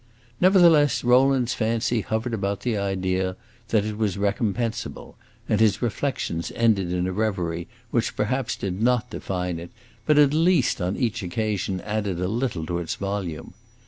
Nevertheless, Rowland's fancy hovered about the idea that it was recompensable, and his reflections ended in a reverie which perhaps did not define it, but at least, on each occasion, added a little to its volume.